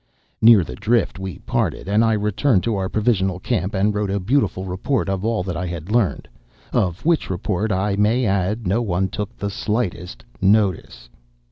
"Near the drift we parted, and I returned to our provisional camp and wrote a beautiful report of all that I had learned, of which report, I may add, no one took the slightest notice.